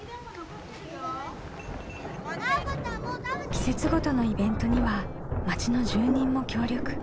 季節ごとのイベントには町の住人も協力。